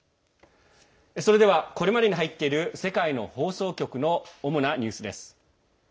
それではこれまでに入っている世界の放送局の主なニュースです。